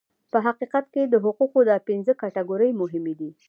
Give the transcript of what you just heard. په حقیقت کې د حقوقو دا پنځه کټګورۍ مهمې دي.